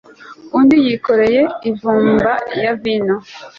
undi yikoreye imvumba ya vino